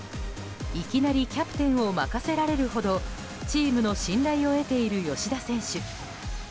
いきなりキャプテンを任せられほどチームの信頼を得ている吉田選手。